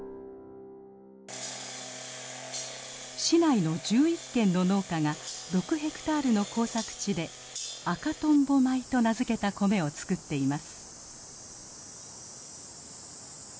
市内の１１軒の農家が６ヘクタールの耕作地で「赤とんぼ米」と名付けた米をつくっています。